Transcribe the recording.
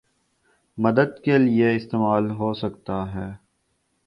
مدد کے لیے استعمال ہو سکتا ہے